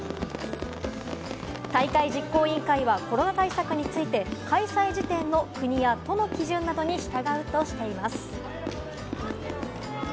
大会実行委員会はコロナ対策について開催時点の国や都の基準などに従うとしています。